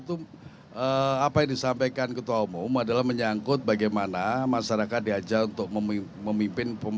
itu apa yang disampaikan ketua umum adalah menyangkut bagaimana masyarakat diajak untuk memimpin